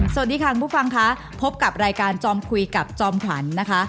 สวัสดีครับค่ากลับบุกฟังค่ะพบกับรายการจ้อมคุยกับจ้อมขวัญนะคะ